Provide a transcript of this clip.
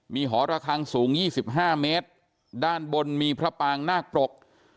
มีหอระคังสูง๒๕เมตรด้านบนมีพระปางนาคปรก